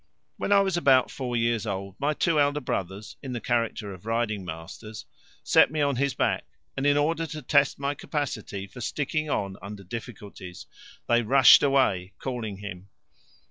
When I was about four years old, my two elder brothers, in the character of riding masters, set me on his back, and, in order to test my capacity for sticking on under difficulties, they rushed away, calling him.